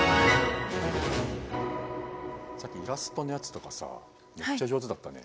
さっきイラストのやつとかさめっちゃ上手だったね。